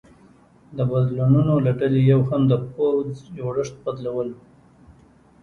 د بدلونونو له ډلې یو هم د پوځ جوړښت بدلول و